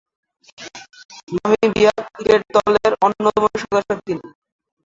Namibia cricket দলের অন্যতম সদস্য তিনি।